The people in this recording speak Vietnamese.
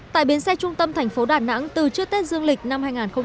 tại bến xe trung tâm thành phố đà nẵng từ trước tết dương lịch năm hai nghìn hai mươi